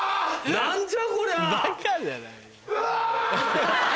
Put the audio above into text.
何じゃこりゃ！